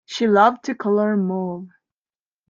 She loved the color mauve.